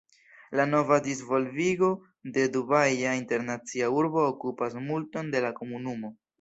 La nova disvolvigo de Dubaja Internacia Urbo okupas multon de la komunumo.